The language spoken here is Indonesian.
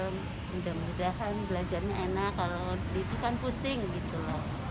mudah mudahan belajarnya enak kalau di itu kan pusing gitu